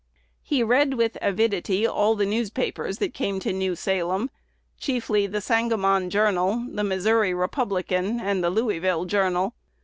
He read with avidity all the newspapers that came to New Salem, chiefly "The Sangamon Journal," "The Missouri Republican," and "The Louisville Journal."